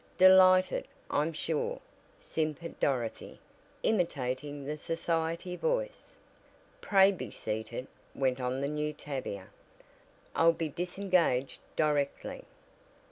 "Delighted, I'm sure!" simpered Dorothy, imitating the society voice. "Pray be seated," went on the new Tavia, "I'll be disengaged directly."